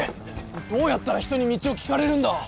どうやったら人に道を聞かれるんだ？